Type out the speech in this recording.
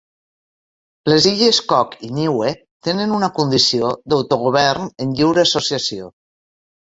Les Illes Cook i Niue tenen una condició d'"autogovern en lliure associació".